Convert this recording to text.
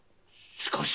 しかし‼